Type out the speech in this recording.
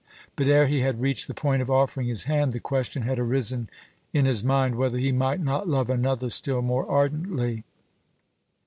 But ere he had reached the point of offering his hand, the question had arisen in his mind whether he might not love another still more ardently.